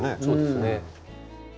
そうですね。